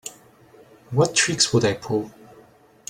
What tricks would I pull?